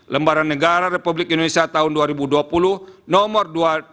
lembaran negara republik indonesia tahun dua ribu dua puluh nomor dua ribu dua puluh